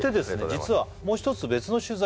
実はもう一つ別の取材